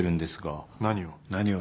何を？